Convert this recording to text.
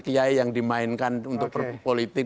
kiai yang dimainkan untuk politik